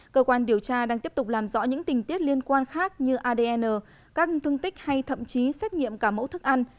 cơ quan điều tra đang tiếp tục làm rõ những tình tiết liên quan khác như adn các thương tích hay thậm chí xét nghiệm cả mẫu thức ăn